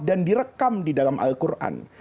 dan direkam di dalam al quran